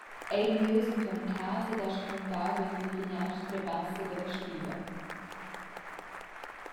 Ei lu ius entuorn casa ed ha spluntau vid la finiastra bassa dalla stiva.